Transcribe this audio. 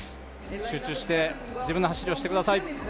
集中して自分の走りをしてください。